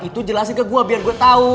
itu jelasin ke gue biar gue tau